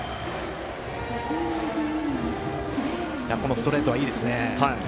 ストレート、いいですね。